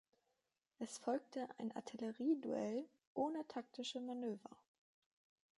Es folgte ein Artillerieduell ohne taktische Manöver.